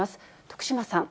徳島さん。